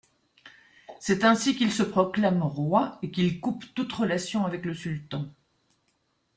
C'est ainsi qu'il se proclame roi, et qu'il coupe toute relation avec le sultan.